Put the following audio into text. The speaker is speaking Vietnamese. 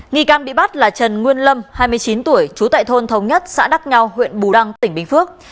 nghi can bị bắt là trần nguyên lâm hai mươi chín tuổi trú tại thôn thống nhất xã đắc nhau huyện bù đăng tỉnh bình phước